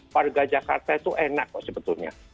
warga jakarta itu enak kok sebetulnya